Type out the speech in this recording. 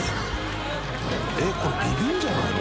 ┐これビビるんじゃないの？